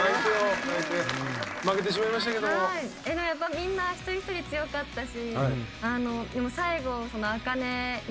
みんな一人一人強かったし。